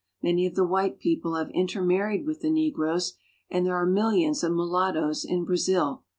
Many of the white people have intermarried with the negroes, and there are millions of mulattoes in Brazil.